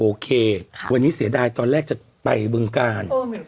โอเควันนี้เสียดายตอนแรกจะไปบึงกาล